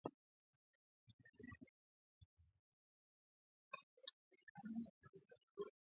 Kati ya zaidi ya makundi mia moja ishirini yaliyopo katika eneo la mashariki mwa Jamhuri ya kidemokrasia ya Kongo lenye mzozo.